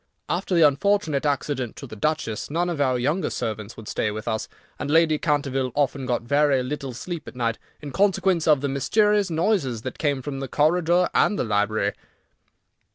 After the unfortunate accident to the Duchess, none of our younger servants would stay with us, and Lady Canterville often got very little sleep at night, in consequence of the mysterious noises that came from the corridor and the library."